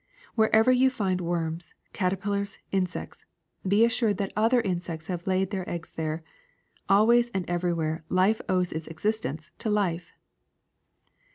Wherever you find worms, caterpillars, in sects, be assured that other insects have laid their eggs there. Always and everywhere life owes its existence to life.'